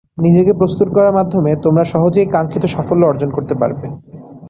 নিজেকে প্রস্তুত করার মাধ্যমে তোমরা সহজেই কাঙ্ক্ষিত সাফল্য অর্জন করতে পারবে।